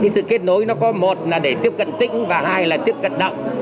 sự kết nối nó có một là để tiếp cận tỉnh và hai là tiếp cận đậu